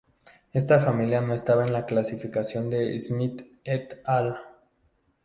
Esta familia no estaba en la clasificación de Smith et al.